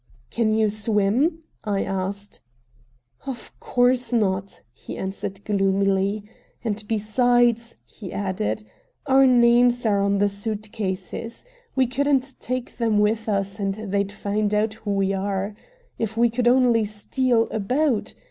"Can you swim?" I asked "Of course not!" he answered gloomily; "and, besides," he added, "our names are on our suitcases. We couldn't take them with us, and they'd find out who we are. If we could only steal a boat!"